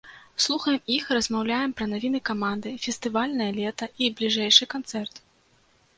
Слухаем іх і размаўляем пра навіны каманды, фестывальнае лета і бліжэйшы канцэрт.